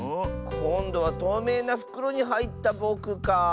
こんどはとうめいなふくろにはいったぼくかあ。